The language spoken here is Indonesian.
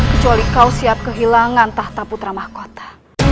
kecuali kau siap kehilangan tahta putra mahkota